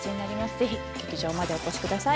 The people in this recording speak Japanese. ぜひ劇場までお越しください